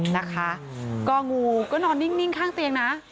นะคะก็งูก็นอนนิ่งข้างเตียงนะ